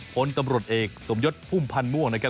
ผลตำรวจเอกสมยทธ์ภุมภัณฑ์ม่วงนะคะ